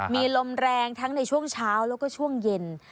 มีลมแรงทั้งในช่วงเช้าแล้วก็ช่วงเย็น